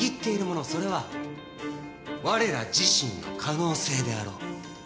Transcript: それはわれら自身の可能性であろう。